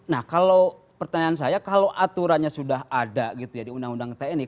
nah kalau pertanyaan saya kalau aturannya sudah ada gitu ya di undang undang tni